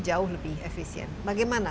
jauh lebih efisien bagaimana